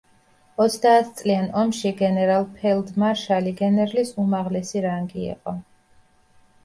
ოცდაათწლიან ომში გენერალ-ფელდმარშალი გენერლის უმაღლესი რანგი იყო.